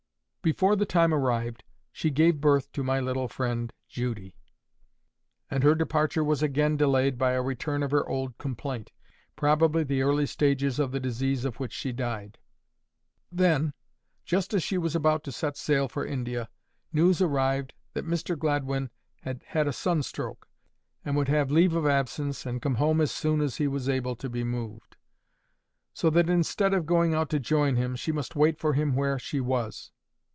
Before the time arrived, she gave birth to my little friend Judy; and her departure was again delayed by a return of her old complaint, probably the early stages of the disease of which she died. Then, just as she was about to set sail for India, news arrived that Mr Gladwyn had had a sunstroke, and would have leave of absence and come home as soon as he was able to be moved; so that instead of going out to join him, she must wait for him where she was.